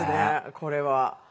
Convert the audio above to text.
これは。